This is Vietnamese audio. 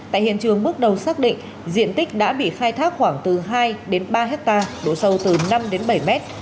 tại hiện trường bước đầu xác định diện tích đã bị khai thác khoảng từ hai ba hectare đối sâu từ năm bảy mét